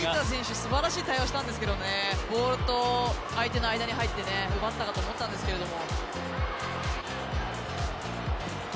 すばらしい対応したんですがボールと相手の間に入ってね奪ったかなと思ったんですけども。